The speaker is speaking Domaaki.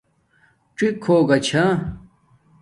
ڎی ہوگا چھا